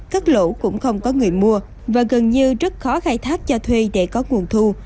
cắt lỗ cũng không có người mua và gần như rất khó khai thác cho thuê để có nguồn thu